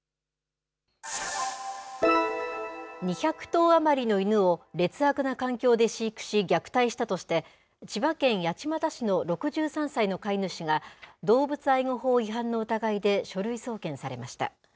２００頭余りの犬を劣悪な環境で飼育し、虐待したとして、千葉県八街市の６３歳の飼い主が、動物愛護法違反の疑いで書類送検されました。